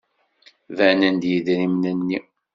Banen-d yidrimen-nni.